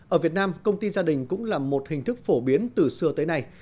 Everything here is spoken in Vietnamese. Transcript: ở việt nam công ty gia đình cũng là một hình thức phổ biến từ xưa tới nay